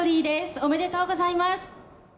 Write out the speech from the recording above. おめでとうございます。